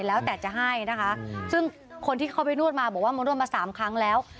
แล้วแต่จะให้นะคะซึ่งคนที่เขามอ่มธุ์นวทมาบอกว่ามอมธุ์นวทมา๓ครั้งแล้ว